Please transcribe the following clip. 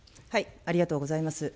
ありがとうございます。